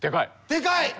でかい。